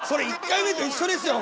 それ１回目と一緒ですよ